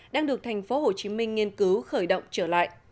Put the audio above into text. đang được thành phố hồ chí minh nghiên cứu khởi động trở lại